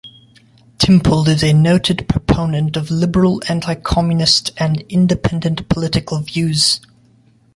"Timpul" is a noted proponent of liberal, anticommunist and independent political views.